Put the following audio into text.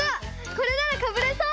これならかぶれそう。